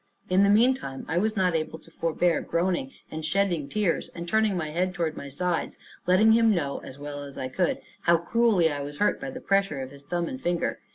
In the meantime I was not able to forbear groaning and shedding tears, and turning my head toward my sides; letting him know, as well as I could, how cruelly I was hurt by the pressure of his thumb and finger.